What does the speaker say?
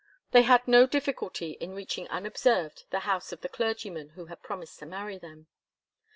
They had no difficulty in reaching unobserved the house of the clergyman who had promised to marry them.